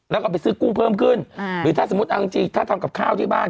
แล้วก็ไปซื้อกุ้งเพิ่มขึ้นหรือถ้าสมมุติเอาจริงจริงถ้าทำกับข้าวที่บ้าน